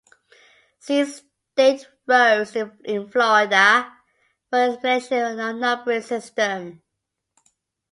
See State Roads in Florida for explanation of numbering system.